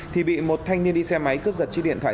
thì bị một thanh niên đi xe máy cướp giật chiếc điện thoại